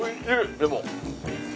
でも。